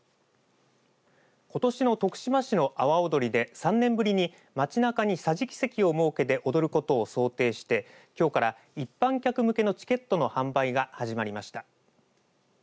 ことしの徳島市の阿波おどりで３年ぶりに街なかに桟敷席を設けて踊ることを想定してきょうから一般客向けのチケットの販売が始まりました。